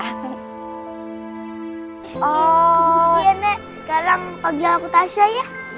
oh iya nenek sekarang panggil aku tasya ya